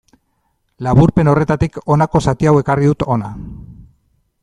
Laburpen horretatik honako zati hau ekarri dut hona.